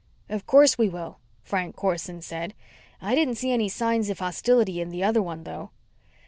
"Of course, we will," Frank Corson said. "I didn't see any signs of hostility in the other one, though."